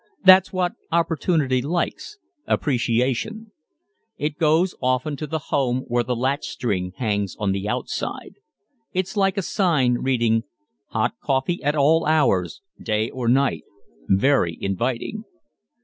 That's what Opportunity likes appreciation. It goes often to the home where the latchstring hangs on the outside. It's like a sign reading "Hot coffee at all hours, day or night" very inviting.